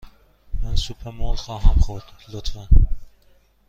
من سوپ مرغ خواهم خورد، لطفاً.